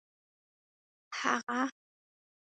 هغه